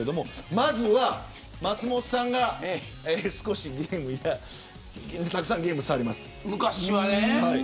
まずは松本さんがたくさんゲームされます。